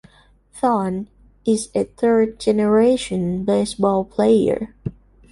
Thon is a third-generation baseball player.